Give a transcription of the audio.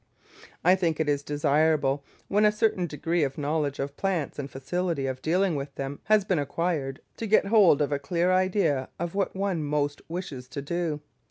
I think it is desirable, when a certain degree of knowledge of plants and facility of dealing with them has been acquired, to get hold of a clear idea of what one most wishes to do.